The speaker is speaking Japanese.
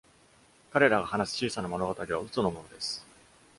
彼らが話す小さな物語は嘘のものです。